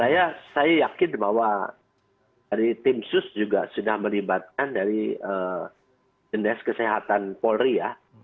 saya yakin bahwa dari tim sus juga sudah melibatkan dari dendes kesehatan polri ya